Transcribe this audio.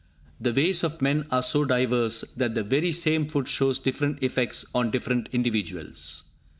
The ways of men are so diverse, that the very same food shows different effects on different individuals.